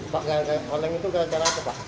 pak korbank itu gak ada apa apa